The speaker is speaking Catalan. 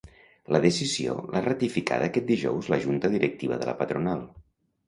La decisió l'ha ratificada aquest dijous la Junta Directiva de la patronal.